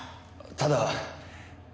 ただ。